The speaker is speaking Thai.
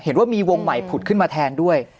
เห็นว่ามีวงใหม่ผุดขึ้นมาแทนด้วย